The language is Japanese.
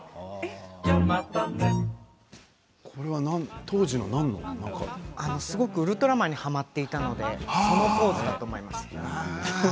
当時すごくウルトラマンにはまっていたのでそのポーズだと思います。